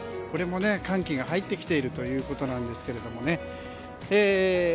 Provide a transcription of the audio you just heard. これも寒気が入ってきているということなんですけどもね。